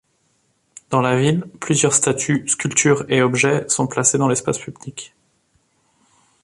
Dans la ville, plusieurs statues, sculptures et objets sont placés dans l'espace public.